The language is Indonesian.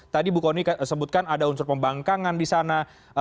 tadi bu kony sebutkan ada unsur pembangkangan di sana